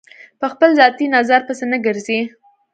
په خپل ذاتي نظر پسې نه ګرځي.